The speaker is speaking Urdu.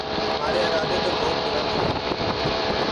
ہمارے ارادے تو بہت بلند ہوں۔